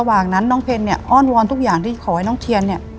ระหว่างนั้นน้องเพนเนี่ยอ้อนวอนทุกอย่างที่ขอให้น้องเทียนเนี่ย